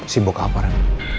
sibuk apa ren